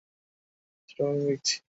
উঠ তোকে ছোটবেলা থেকে দেখছি।